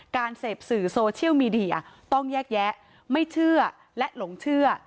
การเสพสื่อโซเชียลมีเดียต้องแยกแยะไม่เชื่อและหลงเชื่อ